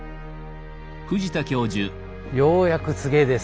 ようやく柘植です。